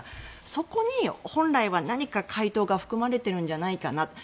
そこに本来は回答が含まれてるんじゃないかな。